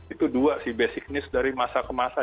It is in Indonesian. itu dua sih basicness dari masa ke masa